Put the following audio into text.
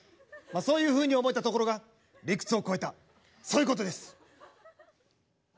そういうふうに思えたところが理屈を超えたそういうことです。